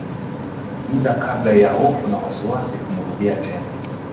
muda kabla ya hofu na wasiwasi kumrudia tena